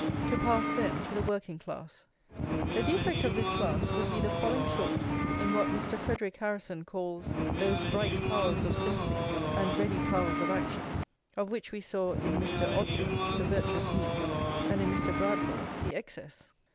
To pass, then, to the working class. The defect of this class would be the falling short in what Mr. Frederic Harrison calls those "bright powers of sympathy and ready powers of action," of which we saw in Mr. Odger the virtuous mean, and in Mr. Bradlaugh the excess.